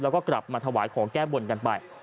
แล้วก็กลับมาถวายของแก้บนกันไป